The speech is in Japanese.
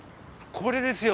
これですよ。